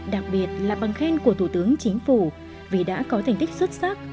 đặc biệt là bằng khen của thủ tướng chính phủ vì đã có thành tích xuất sắc